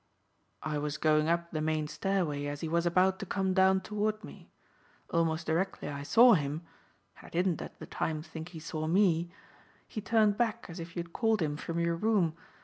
"I was going up the main stairway as he was about to come down toward me. Almost directly I saw him and I didn't at the time think he saw me he turned back as if you had called him from your room.